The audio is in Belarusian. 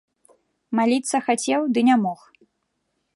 Маліцца хацеў, ды не мог.